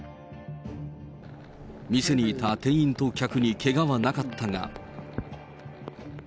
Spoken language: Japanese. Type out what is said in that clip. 店にいた店員と客にけがはなかったが。